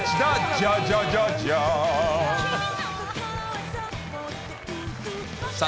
じゃじゃじゃじゃーん。